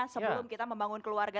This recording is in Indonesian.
sebelum kita membangun keluarga